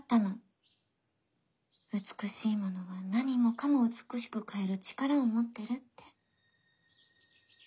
美しいものは何もかも美しく変える力を持ってるって。